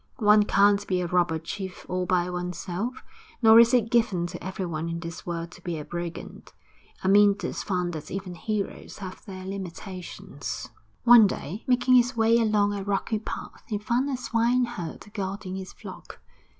One can't be a robber chief all by oneself, nor is it given to everyone in this world to be a brigand. Amyntas found that even heroes have their limitations. X One day, making his way along a rocky path, he found a swineherd guarding his flock.